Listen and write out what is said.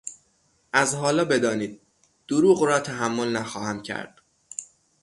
از حالا بدانید ـ دروغ را تحمل نخواهم کرد!